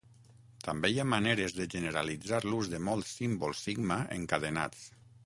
També hi ha maneres de generalitzar l'ús de molts símbols sigma encadenats.